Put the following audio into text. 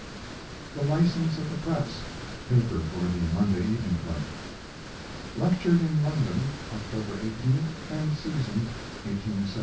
THE LICENSE OF THE PRESS paper for The Monday Evening Club. Lectured in London, October 18 and season 1873 74. 1874.